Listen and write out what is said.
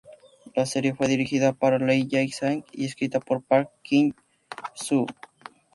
La serie fue dirigida por Lee Jae Sang y escrita por Park Kyung Soo.